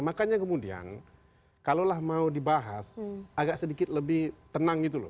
sebenarnya kemudian kalau lah mau dibahas agak sedikit lebih tenang gitu loh